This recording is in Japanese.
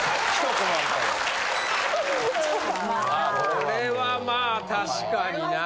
これはまあ確かにな。